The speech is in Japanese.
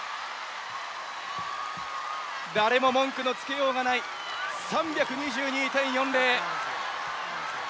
誰も文句のつけようがない３２２．４０。